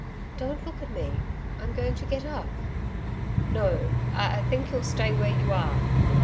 'Don't look at me.... I'm going to get up.' 'No, I think you'll stay where you are.'